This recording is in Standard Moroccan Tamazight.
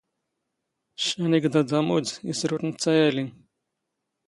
ⵛⵛⴰⵏ ⵉⴳⴹⴰⴹ ⴰⵎⵓⴷ, ⵉⵙⵔⵓⵜ ⵏⵜⵜⴰ ⴰⵍⵉⵎ